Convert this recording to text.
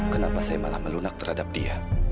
kenapa saya malah melunak terhadap dia